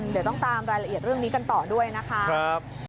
เดี๋ยวต้องตามรายละเอียดเรื่องนี้กันต่อด้วยนะคะ